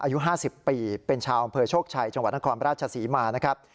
อายุ๕๐ปีเป็นชาวอำเภอโชคชัยจังหวัดนครราชศรีมานะครับ